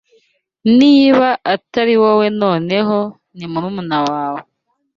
Niba atari wowe noneho ni murumuna wawe